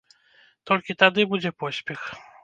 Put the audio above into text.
Толькі тады будзе поспех.